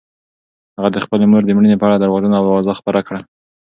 هغه د خپلې مور د مړینې په اړه درواغجنه اوازه خپره کړه.